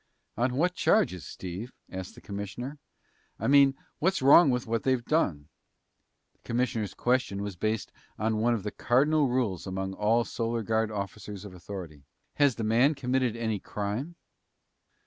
"On what charges, Steve?" asked the commissioner. "I mean, what's wrong with what they've done?" The commissioner's question was based on one of the cardinal rules among all Solar Guard officers of authority. "Has the man committed any crime?"